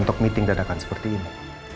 untuk meeting dadakan seperti ini